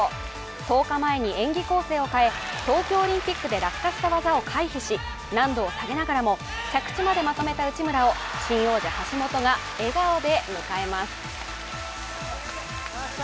１０日前に演技構成を変え東京オリンピックで落下した技を回避し難度を下げながらも着地までまとめた内村に新王者・橋本が笑顔で迎えます。